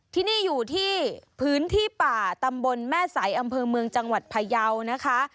ที่นี่อยู่ที่พื้นที่ป่าตำบลแม่สายอำเภอเมืองจังหวัดพยาวนะคะ